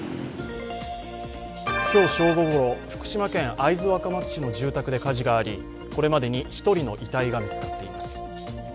今日正午ごろ、福島県会津若松市の住宅で火事がありこれまでに１人の遺体が見つかっています。